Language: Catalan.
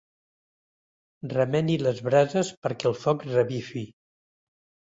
Remeni les brases perquè el foc revifi.